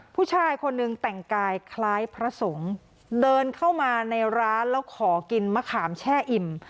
ผู้ชายคนหนึ่งแต่งกายคล้ายพระสงฆ์เดินเข้ามาในร้านแล้วขอกินมะขามแช่อิ่ม